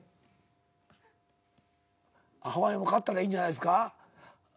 「ハワイも買ったらいいんじゃないですか？」